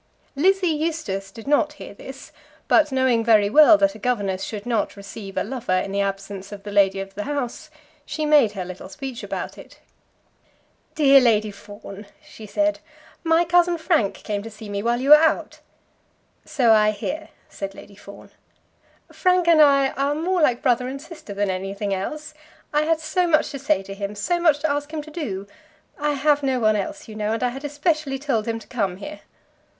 Lizzie Eustace did not hear this; but knowing very well that a governess should not receive a lover in the absence of the lady of the house, she made her little speech about it. "Dear Lady Fawn," she said, "my cousin Frank came to see me while you were out." "So I hear," said Lady Fawn. "Frank and I are more like brother and sister than anything else. I had so much to say to him; so much to ask him to do! I have no one else, you know, and I had especially told him to come here."